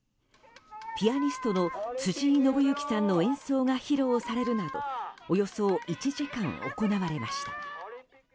ピアニストの辻井伸行さんの演奏が披露されるなどおよそ１時間行われました。